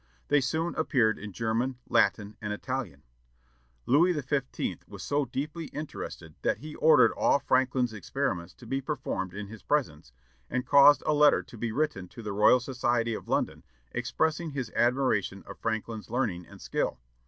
They soon appeared in German, Latin, and Italian. Louis XV. was so deeply interested that he ordered all Franklin's experiments to be performed in his presence, and caused a letter to be written to the Royal Society of London, expressing his admiration of Franklin's learning and skill.